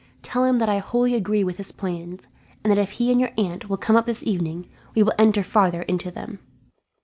Tell him that I wholly agree with his plans, and that if he and your aunt will come up this evening, we will enter farther into them."